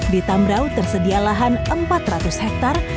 di tamrau tersedia lahan empat ratus hektare